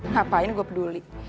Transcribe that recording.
ngapain gue peduli